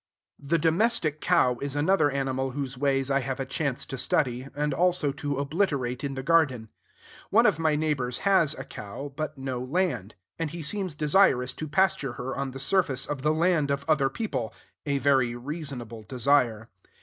The domestic cow is another animal whose ways I have a chance to study, and also to obliterate in the garden. One of my neighbors has a cow, but no land; and he seems desirous to pasture her on the surface of the land of other people: a very reasonable desire.